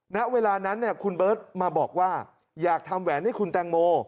ณเวลานั้นคุณเบิร์ตมาบอกว่าอยากทำแหวนให้คุณแตงโม